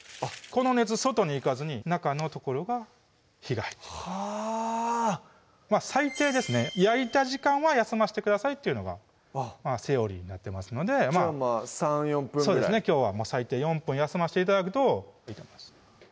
この熱外に行かずに中の所が火が入っていくはぁ最低ですね焼いた時間は休ませてくださいっていうのがセオリーになってますので３４分ぐらいきょうは最低４分休ませて頂くといいと思います